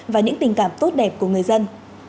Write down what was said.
và những tình cảm tốt đẹp của người dân